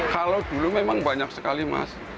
kalau dulu memang banyak sekali mas